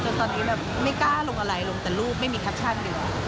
จนตอนนี้แบบไม่กล้าลงอะไรลงแต่รูปไม่มีแคปชั่นเดียว